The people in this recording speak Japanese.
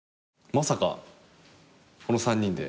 まさかこの３人で。